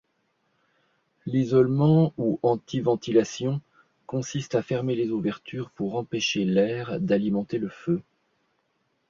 L'isolement, ou anti-ventilation, consiste à fermer les ouvertures pour empêcher l'air d'alimenter le feu.